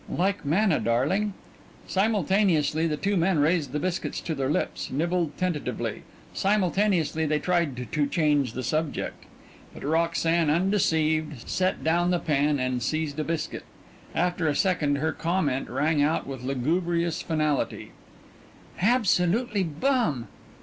"Like manna, darling." Simultaneously the two men raised the biscuits to their lips, nibbled tentatively. Simultaneously they tried to change the subject. But Roxanne undeceived, set down the pan and seized a biscuit. After a second her comment rang out with lugubrious finality: "Absolutely bum!"